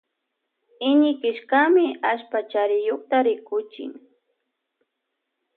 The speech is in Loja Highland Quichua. Iñikillkami allpa chariyukta rikuchin.